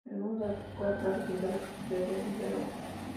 El mundo de la cultura ha perdido la capacidad de diálogo.